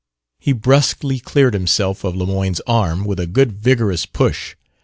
He brusquely cleared himself of Lemoyne's arm with a good vigorous push.